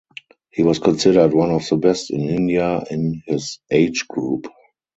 He was considered one of the best in India in his age group.